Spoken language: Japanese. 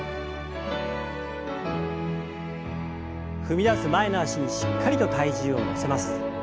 踏み出す前の脚にしっかりと体重を乗せます。